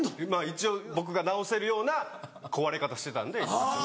一応僕が直せるような壊れ方してたんで。